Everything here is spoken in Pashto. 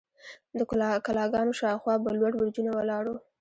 د کلاګانو شاوخوا به لوړ برجونه ولاړ وو.